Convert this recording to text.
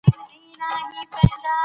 مرغۍ په پنجرو کې مه بندوئ.